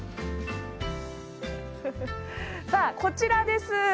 さあこちらです。